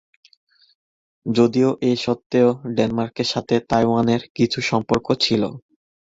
যদিও এ সত্ত্বেও ডেনমার্কের সাথে তাইওয়ানের কিছু সম্পর্ক ছিল।